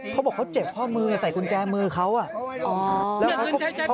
เขาบอกเขาเจ็บข้อมือใส่กุญแจมือเขาอ่ะ